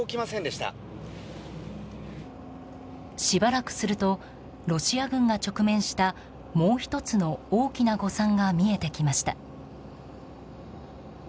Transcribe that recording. しばらくするとロシア軍が直面したもう１つの大きな誤算が見えてきました。